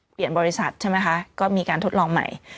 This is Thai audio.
เปลี่ยนบริษัทใช่ไหมคะก็มีการทดลองใหม่